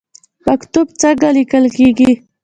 مکتوب څنګه لیکل کیږي؟